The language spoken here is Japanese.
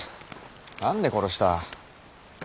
何で殺した？